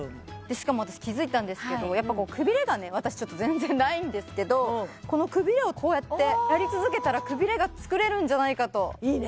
しかも私気付いたんですけどやっぱこうくびれがね私全然ないんですけどこのくびれをこうやってやり続けたらくびれが作れるんじゃないかといいね